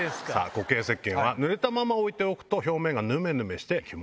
固形石けんはぬれたまま置いておくと表面がヌメヌメして気持ち悪い。